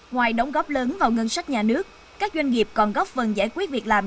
ngoài đóng góp lớn vào ngân sách nhà nước các doanh nghiệp còn góp phần giải quyết việc làm